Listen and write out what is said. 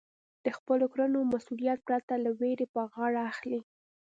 د خپلو کړنو مسؤلیت پرته له وېرې په غاړه اخلئ.